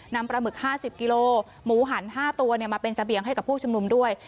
นำปลาหมึกห้าสิบกิโลหมูหันห้าตัวเนี้ยมาเป็นสะเบียงให้กับผู้ชุมนุมด้วย